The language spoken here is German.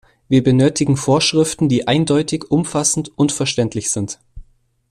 Wir benötigen Vorschriften, die eindeutig, umfassend und verständlich sind.